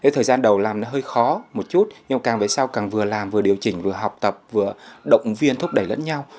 thời gian đầu làm hơi khó một chút nhưng càng về sau càng vừa làm vừa điều chỉnh vừa học tập vừa động viên thúc đẩy lẫn nhau